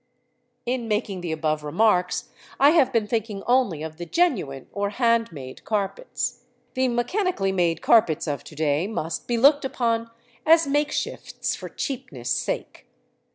In making the above remarks I have been thinking only of the genuine or hand made carpets. The mechanically made carpets of to day must be looked upon as makeshifts for cheapness' sake.